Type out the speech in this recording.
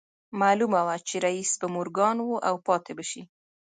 معلومه وه چې رييس به مورګان و او پاتې به شي